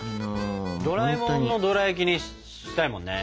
ドラえもんのドラやきにしたいもんね。